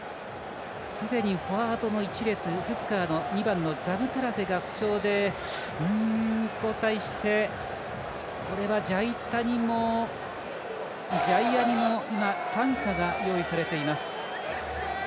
すでに、フォワードの１列フッカーの２番のザムタラゼが負傷で交代してこれはジャイアニも担架が用意されています。